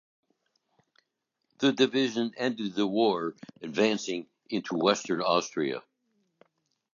The division ended the war advancing into western Austria.